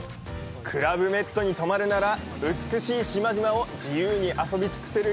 クラブメッドに泊まるなら美しい島々を自由に遊びつくせる